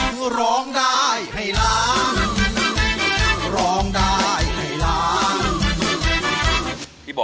สวัสดีครับ